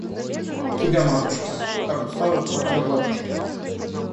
Тебя, матушка: ты так устала, колотя батюшку.